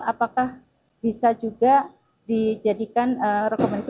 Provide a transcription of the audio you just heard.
apakah bisa juga dijadikan rekomendasi